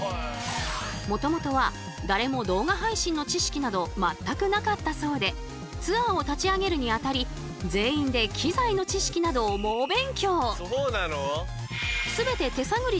もともとは誰も動画配信の知識など全くなかったそうでツアーを立ち上げるにあたり全員で機材の知識などを猛勉強。